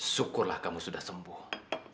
syukurlah kamu sudah sembuh